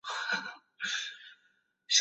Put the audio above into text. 尼泊尔野桐为大戟科野桐属下的一个种。